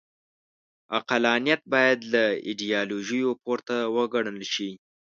عقلانیت باید له ایډیالوژیو پورته وګڼل شي.